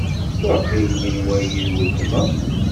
Waqil yenwa-yi d uletma.